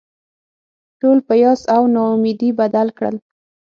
ټول په یاس او نا امیدي بدل کړل.